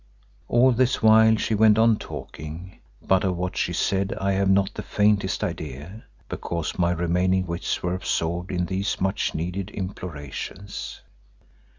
All this while she went on talking, but of what she said I have not the faintest idea, because my remaining wits were absorbed in these much needed implorations.